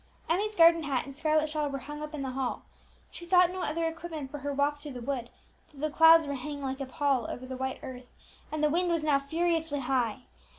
Emmie's garden hat and scarlet shawl were hung up in the hall; she sought no other equipment for her walk through the wood, though the clouds were hanging like a pall over the white earth, and the wind was now furiously high.